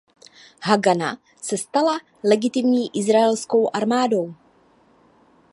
Hagana se stala legitimní izraelskou armádou.